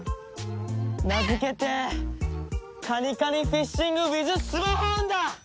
名付けてカニカニフィッシングｗｉｔｈスマホーンだ！